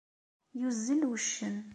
Yuzzel wuccen.